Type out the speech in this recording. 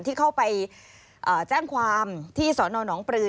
ที่เข้าไปแจ้งความที่สนหนองปลือ